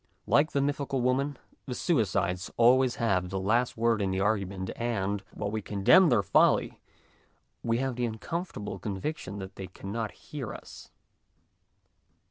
Like the mythical woman, the suicides always have the last word in the argument, and, while we con demn their folly, w r e have the uncomfort able conviction that they cannot hear us.